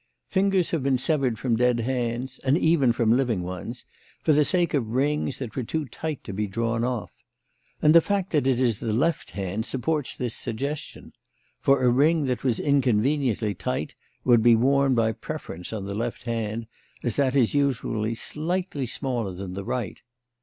Fingers have been severed from dead hands and even from living ones for the sake of rings that were too tight to be drawn off. And the fact that it is the left hand supports this suggestion; for a ring that was inconveniently tight would be worn by preference on the left hand, as that is usually slightly smaller than the right.